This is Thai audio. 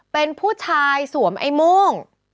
เป็นผู้ชายส่วมไอมง